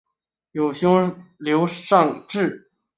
有兄刘尚质。